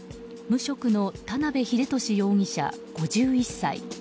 無職の田辺秀敏容疑者、５１歳。